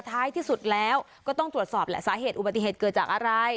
ท้ายที่สุดแล้วก็ต้องตรวจสอบแหละสาเหตุอุบัติเหตุเกิดจากอะไร